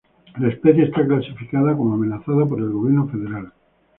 La especie está clasificada como amenazada por el gobierno federal.